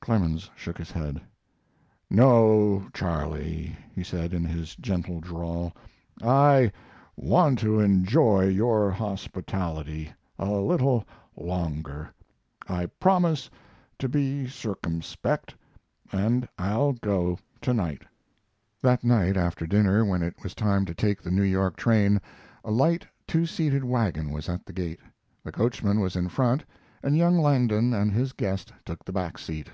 Clemens shook his head. "No, Charley," he said, in his gentle drawl, "I want to enjoy your hospitality a little longer. I promise to be circumspect, and I'll go to night." That night, after dinner, when it was time to take the New York train, a light two seated wagon was at the gate. The coachman was in front, and young Langdon and his guest took the back seat.